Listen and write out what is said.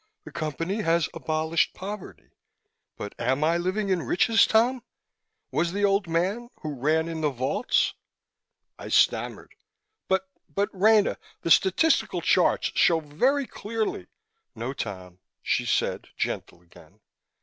The Company has abolished poverty. But am I living in riches, Tom? Was the old man who ran into the vaults?" I stammered, "But but, Rena, the statistical charts show very clearly " "No, Tom," she said, gentle again.